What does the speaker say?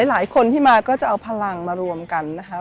หลายคนที่มาก็จะเอาพลังมารวมกันนะคะ